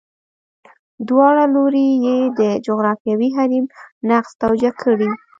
دواړه لوري یې د جغرافیوي حریم نقض توجیه کړي.